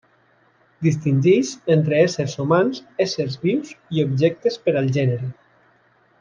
Distingeix entre éssers humans, éssers vius i objectes per al gènere.